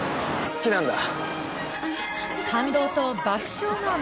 好きなんだ。